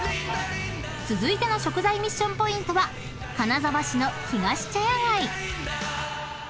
［続いての食材ミッションポイントは金沢市のひがし茶屋街］